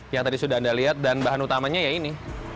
yang tadi sudah anda lihat dan bahan utamanya ya ini